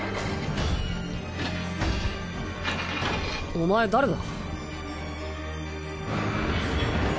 お前誰だ？